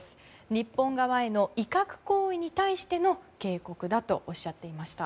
日本側への威嚇行為に対しての警告だとおっしゃっていました。